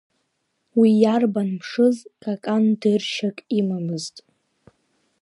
Уи иарбан мшыз Какан дыршьак имамызт.